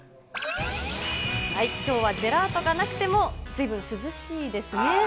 きょうはジェラートがなくても、ずいぶん涼しいですね。